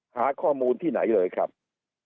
หาข้อมูลที่ไหนเลยครับ